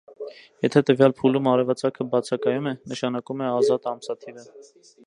Եթե տվյալ փուլում արևածագը բացակայում է, նշանակում է ազատ ամսաթիվ է։